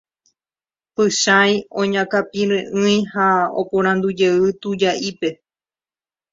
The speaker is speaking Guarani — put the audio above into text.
Pychãi oñakãpire'ỹi ha oporandujey tuja'ípe.